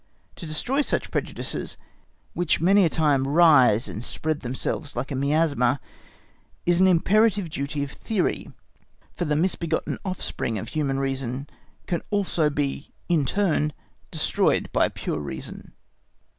To destroy such prejudices, which many a time rise and spread themselves like a miasma, is an imperative duty of theory, for the misbegotten offspring of human reason can also be in turn destroyed by pure reason.